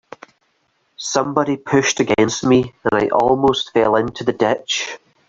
Somebody pushed against me, and I almost fell into the ditch.